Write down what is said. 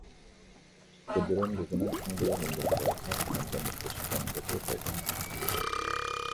그들은 누구나 상대의 눈동자에서 담배 먹고 싶다는 것을 발견하였다.